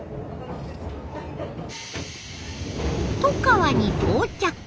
外川に到着。